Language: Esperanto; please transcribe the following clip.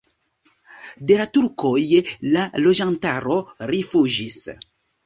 De la turkoj la loĝantaro rifuĝis.